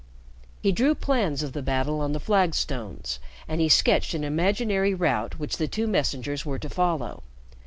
He drew plans of the battle on the flagstones, and he sketched an imaginary route which the two messengers were to follow.